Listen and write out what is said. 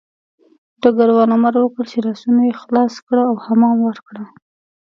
ډګروال امر وکړ چې لاسونه یې خلاص کړه او حمام ورکړه